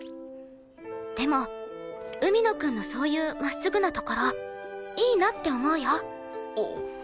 でも海野くんのそういう真っすぐなところいいなって思うよ。